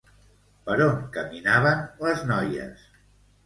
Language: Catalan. Per on caminaven les noies?